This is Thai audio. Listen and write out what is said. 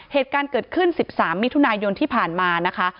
เหตุการณ์เกิดขึ้น๑๓มิถุนายนที่ผ่านมานะคะ